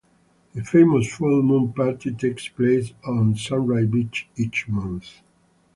The famous Full Moon Party takes place on Sunrise Beach each month.